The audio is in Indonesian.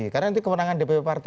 karena nanti kemenangan dpp partai